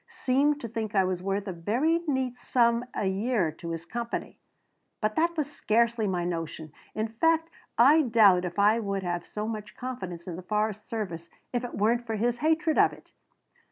"Seemed to think I was worth a very neat sum a year to his company but that was scarcely my notion. In fact I doubt if I would have so much confidence in the forest service if it weren't for his hatred of it.